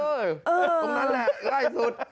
ตรงนั้นแหล่ะง่ายสุด